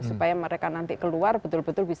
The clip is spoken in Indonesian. supaya mereka nanti keluar betul betul bisa